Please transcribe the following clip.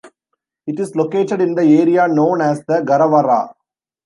It is located in the area known as the Garawarra.